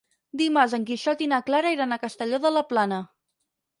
Dimarts en Quixot i na Clara iran a Castelló de la Plana.